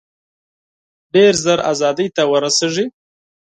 ډېر ژر آزادۍ ته ورسیږي.